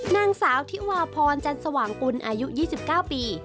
นางสาวธิวาพรจันสว่างกุลอายุ๒๙ปี